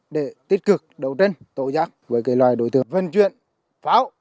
để tích cực đấu tranh tổ giác với loài đối tượng vận chuyển pháo